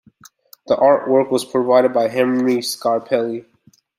The art work was provided by Henry Scarpelli.